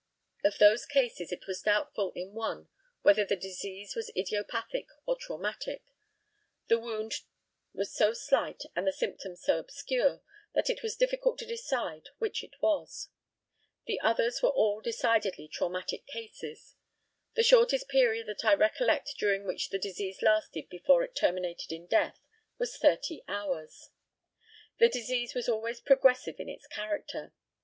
Of those cases it was doubtful in one whether the disease was idiopathic or traumatic the wound was so slight and the symptoms so obscure, that it was difficult to decide which it was. The others were all decidedly traumatic cases. The shortest period that I recollect during which the disease lasted before it terminated in death, was 30 hours. The disease was always progressive in its character.